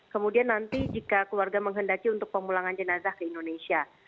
kemudian nanti jika keluarga menghendaki untuk pemulangan jenazah ke indonesia